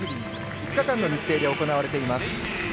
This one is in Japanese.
５日間の日程で行われています。